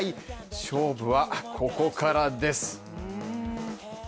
勝負はここからです。